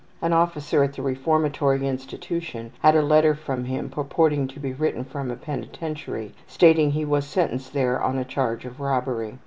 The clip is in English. An officer at the reformatory institution had a letter from him purporting to be written from a penitentiary, stating he was sentenced there on a charge of robbery.